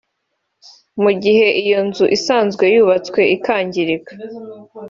Mu gihe iyo nzu isanzwe yubatswe ikangirika